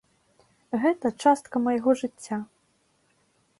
Гэта частка майго жыцця.